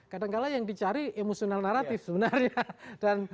kadangkala yang dicari emosional naratif sebenarnya